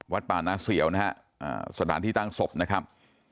ป่าน้าเสียวนะฮะสถานที่ตั้งศพนะครับ